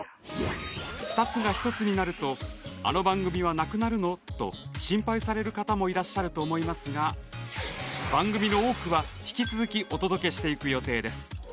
２つが１つになるとあの番組はなくなるの？と心配される方もいらっしゃると思いますが番組の多くは引き続きお届けしていく予定です。